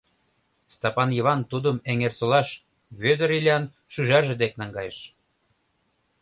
Стапан Йыван тудым Эҥерсолаш, Вӧдыр Илян шӱжарже дек, наҥгайыш.